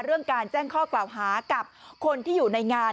เรื่องการแจ้งข้อกล่าวหากับคนที่อยู่ในงาน